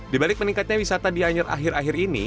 di balik meningkatnya wisata di anyer akhir akhir ini